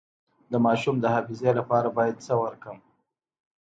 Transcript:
د ماشوم د حافظې لپاره باید څه ورکړم؟